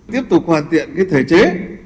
tiếp tục hoàn thiện thể chế